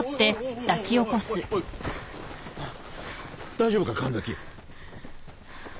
おい大丈夫か神崎？